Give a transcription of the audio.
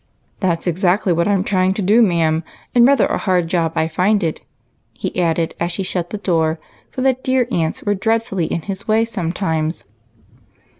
" That's exactly what I'm trying to do, ma'am, and rather a hard job I find it," he added, as he shut the door, for the dear aunts were dreadfully in his way sometimes.